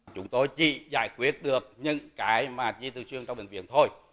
chúng tôi chỉ giải quyết được những cái mà chỉ thường xuyên trong bệnh viện thôi